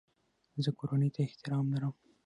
زه کورنۍ ته احترام لرم.